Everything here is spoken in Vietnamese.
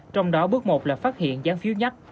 trong đó bước một là phát hiện gián phiếu nhắc